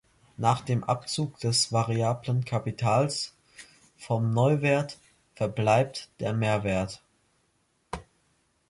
Nach Abzug des variablen Kapitals vom Neuwert verbleibt der Mehrwert.